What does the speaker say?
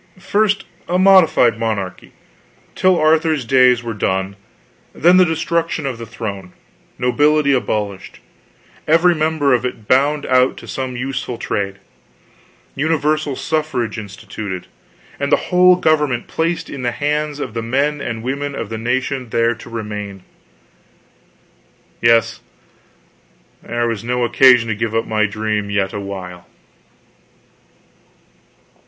First, a modified monarchy, till Arthur's days were done, then the destruction of the throne, nobility abolished, every member of it bound out to some useful trade, universal suffrage instituted, and the whole government placed in the hands of the men and women of the nation there to remain. Yes, there was no occasion to give up my dream yet a while.